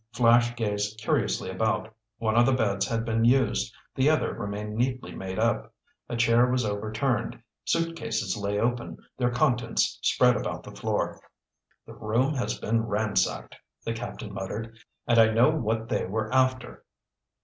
Flash gazed curiously about. One of the beds had been used, the other remained neatly made up. A chair was overturned. Suitcases lay open, their contents spread about the floor. "The room has been ransacked," the captain muttered. "And I know what they were after."